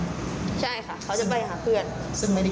กลุ่มวัยรุ่นฝั่งพระแดง